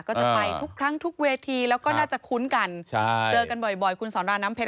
ก็จะไปทุกครั้งทุกเวทีแล้วก็น่าจะคุ้นกันใช่เจอกันบ่อยคุณสอนราน้ำเพชร